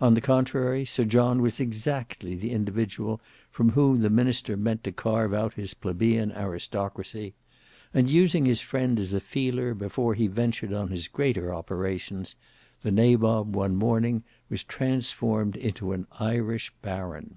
On the contrary, Sir John was exactly the individual from whom the minister meant to carve out his plebeian aristocracy; and using his friend as a feeler before he ventured on his greater operations, the Nabob one morning was transformed into an Irish baron.